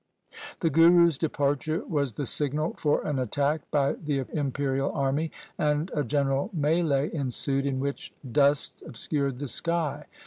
The Guru's departure was the signal for an attack by the imperial army and a general mike ensued in which dust obscured the sky.